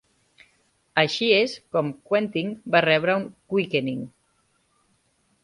Així és com Quentin va rebre un Quickening.